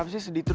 based di sel